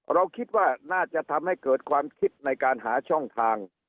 เราคิดว่าน่าจะทำให้เกิดความคิดในการหาช่องทาง